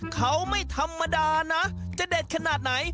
เขาไม่ธรรมดานะจะเด็ดขนาดไหน